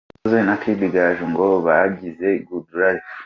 Tom Close na Kid Gaju ngo bagize Good Life.